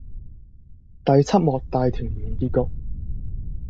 第七幕大團圓結局